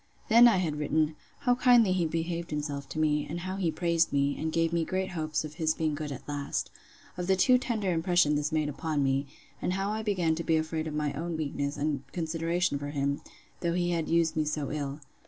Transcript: Then I had written, 'How kindly he behaved himself to me; and how he praised me, and gave me great hopes of his being good at last. Of the too tender impression this made upon me; and how I began to be afraid of my own weakness and consideration for him, though he had used me so ill.